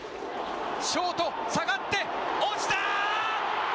ショート、下がって落ちた！